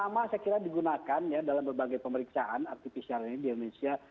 cukup lama saya kira digunakan ya dalam berbagai pemeriksaan rt pcr ini di indonesia